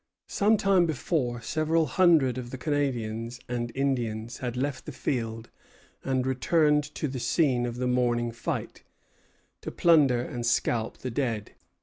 Some time before, several hundred of the Canadians and Indians had left the field and returned to the scene of the morning fight, to plunder and scalp the dead.